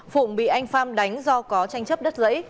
phụng bị anh pham đánh do có tranh thủ